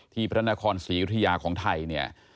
ที่พระนครศรีอุทยาของไทย